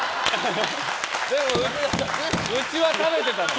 でもうちは食べてた。